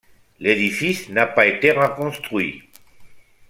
L'édifice n'a pas été reconstruit.